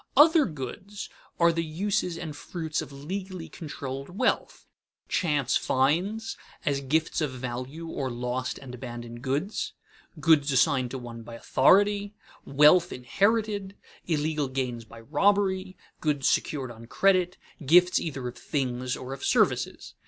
Other goods are the uses and fruits of legally controlled wealth: chance finds, as gifts of value or lost and abandoned goods; goods assigned to one by authority; wealth inherited; illegal gains by robbery; goods secured on credit; gifts either of things or of services.